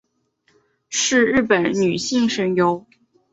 是日本的女性声优。